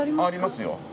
ありますよ。